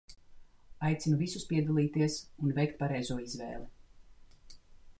Aicinu visus piedalīties un veikt pareizo izvēli.